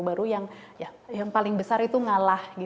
baru yang paling besar itu ngalah